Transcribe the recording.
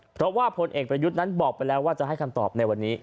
เพราะว่าพลเอกประยุทธ์นั้นบอกไปแล้วว่าจะให้คำตอบในวันนี้